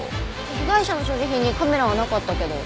被害者の所持品にカメラはなかったけど。